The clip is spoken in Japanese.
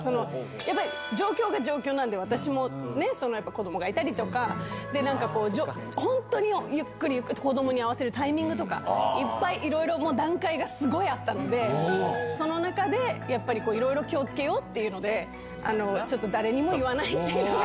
やっぱり、状況が状況なんで、私もね、子どもがいたりとか、本当にゆっくりゆっくり、子どもに会わせるタイミングとか、いっぱいいろいろ段階がすごいあったので、その中でやっぱりいろいろ気をつけようっていうので、ちょっと誰にも言わないっていう。